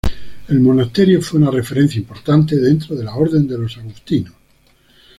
El monasterio fue una referencia importante dentro de la orden de los Agustinos.